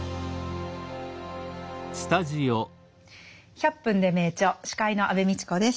「１００分ｄｅ名著」司会の安部みちこです。